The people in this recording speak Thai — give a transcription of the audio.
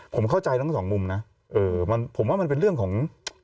ผมเข้าใจทั้งสองมุมนะผมว่ามันเป็นเรื่องของ